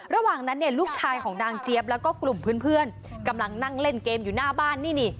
ระหว่างนั้นเนี่ยลูกชายของนางเจี๊ยบแล้วก็กลุ่มเพื่อนกำลังนั่งเล่นเกมอยู่หน้าบ้านนี่นี่